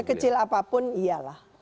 sekecil apapun iyalah